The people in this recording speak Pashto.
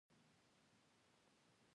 څو ورځې وروسته یې کابل ته واستاوه.